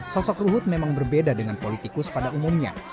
sosok ruhut memang berbeda dengan politikus pada umumnya